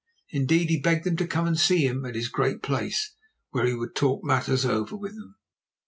Indeed, he begged them to come and see him at his Great Place, where he would talk matters over with them.